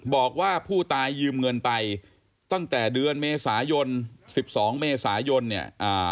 บอกว่าผู้ตายยืมเงินไปตั้งแต่เดือนเมษายน๑๒เมษายนเนี่ย